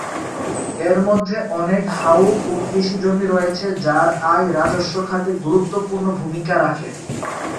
এর মধ্যে অনেক হাওর ও কৃষি জমি রয়েছে যার আয় রাজস্ব খাতে গুরুত্বপূর্ণ ভূমিকা রাখে।